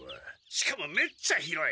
しかもめっちゃ広い！